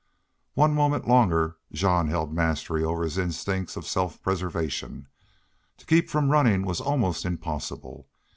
One moment longer Jean held mastery over his instincts of self preservation. To keep from running was almost impossible.